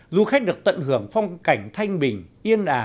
du khách được tận hưởng phong cảnh thanh bình yên ả